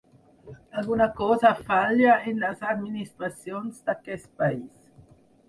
Alguna cosa falla en les administracions d’aquest país.